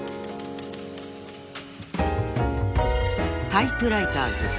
［『タイプライターズ』